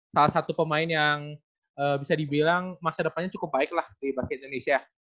salah satu pemain yang bisa dibilang masa depannya cukup baik lah di basket indonesia